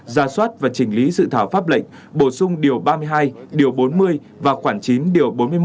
ra soát và trình lý sự thảo pháp lệnh bổ sung điều ba mươi hai điều bốn mươi và khoản chín điều bốn mươi một